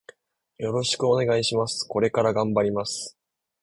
よろしくお願いします。これから頑張ります。